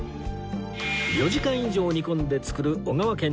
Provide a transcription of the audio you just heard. ４時間以上煮込んで作る小川軒